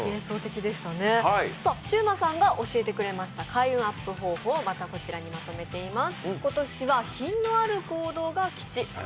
シウマさんが教えてくれました開運アップ方法をまとめています。